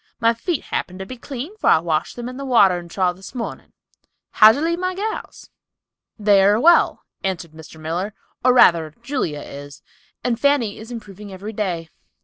My feet happen to be clean, for I washed them in the watering trough this mornin'. How d'ye leave my gals?" "They are well," answered Mr. Miller, "or rather Julia is, and Fanny is improving every day."